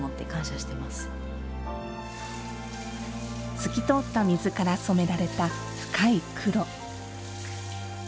透き通った水から染められた深い黒。